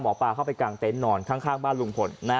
หมอปลาเข้าไปกลางเต็นต์นอนข้างบ้านลุงพล